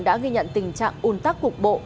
đã ghi nhận tình trạng ùn tắc cục bộ